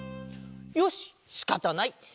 よししかたない！